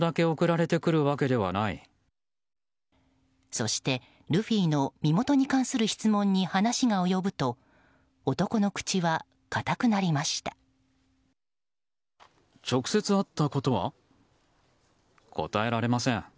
そして、ルフィの身元に関する質問に話が及ぶと男の口は堅くなりました。